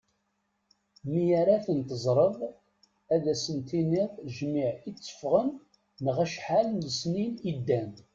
Mi ara ten-teẓreḍ ad as-tiniḍ jmiɛ i tteffɣen neɣ acḥal n lesnin i ddan.